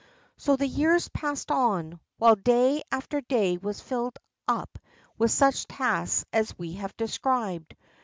So the years passed on, while day after day was filled up with such tasks as we have described.